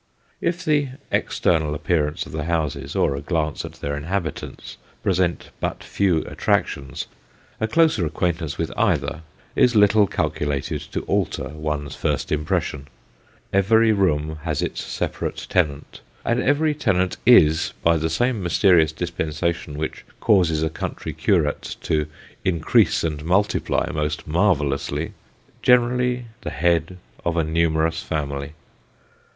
If the external appearance of the houses, or a glance at their in habitants, present but few attractions, a closer acquaintance with either is little calculated to alter one's first impression. Every room has its separate tenant, and every tenant is, by the same mysterious dis pensation which causes a country curate to " increase and multiply " most marvellously, generally the head of a numerous family.